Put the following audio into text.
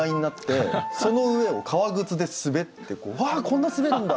その上を革靴で滑って「わあこんな滑るんだ！」